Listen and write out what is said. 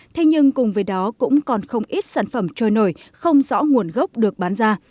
thế nhưng cùng với đó cũng còn không ít sản phẩm trôi nổi không rõ nguồn gốc được bán ra